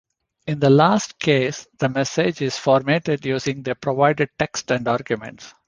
In the last case the message is formatted using the provided text and arguments.